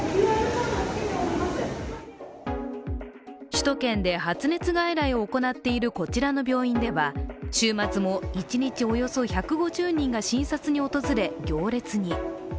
首都圏で、発熱外来を行っているこちらの病院では、週末も一日およそ１５０人が診察に訪れ、行列に。